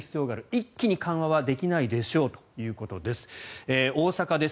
一気に緩和はできないでしょうということです。